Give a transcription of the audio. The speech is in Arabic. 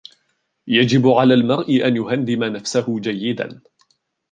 يجب على المرء أن يهندم نفسه جيداً.